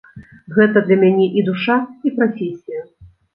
Гэта для мяне і душа, і прафесія.